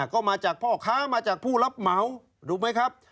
ก็มาจากพ่อค้ามาจากผู้รับเหมาถูกไหมครับ